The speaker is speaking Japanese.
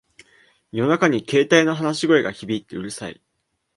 夜中に携帯の話し声が響いてうるさい